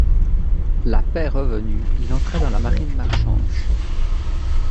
La paix revenue, il entra dans la marine marchande.